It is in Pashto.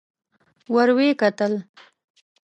ور ويې کتل.